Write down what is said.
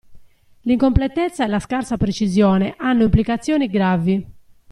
L'incompletezza e la scarsa precisione hanno implicazioni gravi.